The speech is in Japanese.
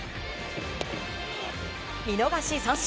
見逃し三振。